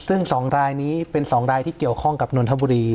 ซึ่ง๒รายนี้เป็น๒รายที่เกี่ยวข้องกับนนทบุรี